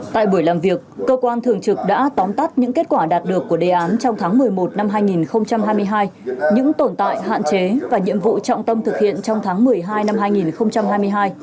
tại buổi làm việc cơ quan thường trực đã tóm tắt những kết quả đạt được của đề án trong tháng một mươi một năm hai nghìn hai mươi hai những tồn tại hạn chế và nhiệm vụ trọng tâm thực hiện trong tháng một mươi hai năm hai nghìn hai mươi hai